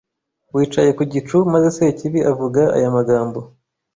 wicaye ku gicu maze Sekibi avuga aya magambo